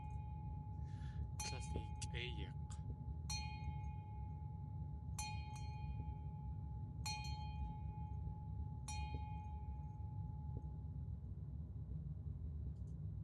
Líl eekʼéiyik̲!